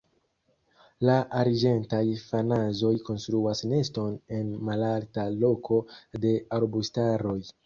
La arĝentaj fazanoj konstruas neston en malalta loko de arbustaroj.